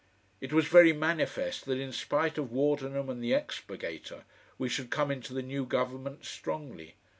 It was very manifest that in spite of Wardenham and the EXPURGATOR, we should come into the new Government strongly.